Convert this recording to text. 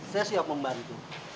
saya siap membantu